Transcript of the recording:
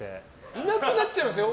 いなくなっちゃいますよ